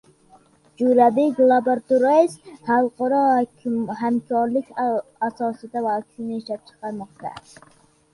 “Jurabek laboratories” xalqaro hamkorlik asosida vaksina ishlab chiqarmoqda